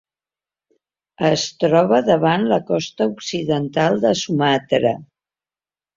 Es troba davant la costa occidental de Sumatra.